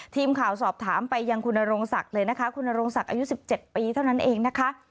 ทีมข่าวสอบถามไปยังคุณนโรงศักดิ์เลยนะคะคุณนโรงศักดิ์อายุ๑๗ปีเท่านั้นเองนะคะ